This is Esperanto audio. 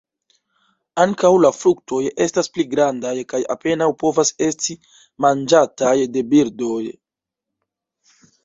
Ankaŭ la fruktoj estas pli grandaj kaj apenaŭ povas esti manĝataj de birdoj.